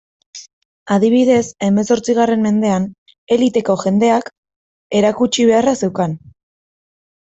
Adibidez, hemezortzigarren mendean, eliteko jendeak erakutsi beharra zeukan.